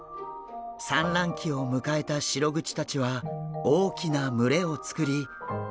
産卵期を迎えたシログチたちは大きな群れを作り泳いでいます。